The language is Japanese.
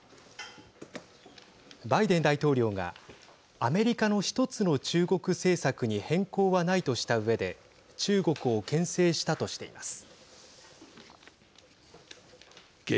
バイデン大統領がアメリカの１つの中国政策に変更はないとしたうえで中国をけん制したとしています。